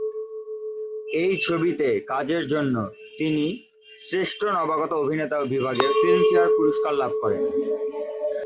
এই ছবিতে কাজের জন্য তিনি শ্রেষ্ঠ নবাগত অভিনেতা বিভাগে ফিল্মফেয়ার পুরস্কার লাভ করেন।